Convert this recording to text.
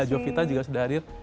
dan juga mbak jovita juga sudah hadir